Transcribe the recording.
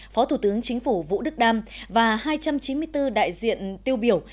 phó thủ tướng chính phủ vũ đức đam và hai trăm chín mươi bốn đại diện tiêu biểu